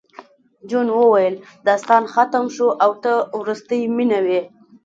جون وویل داستان ختم شو او ته وروستۍ مینه وې